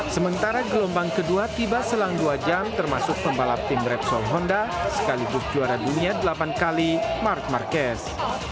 sementara gelombang kedua tiba selang dua jam termasuk pembalap tim repsol honda sekaligus juara dunia delapan kali mark marquez